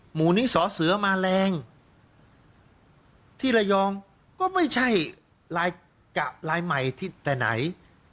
หมู่นี้สอเสือมาแรงที่ระยองก็ไม่ใช่ลายกะลายใหม่ที่แต่ไหน